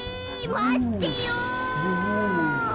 まってよ。